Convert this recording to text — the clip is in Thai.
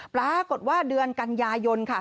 ปรากฏว่าเดือนกันยายนค่ะ